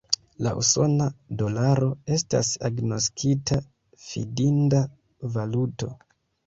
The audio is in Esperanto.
La usona dolaro estas agnoskita fidinda valuto.